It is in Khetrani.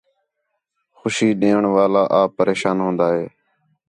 خُوشی ݙیوݨ والا آپ پریشان ہون٘دا ہے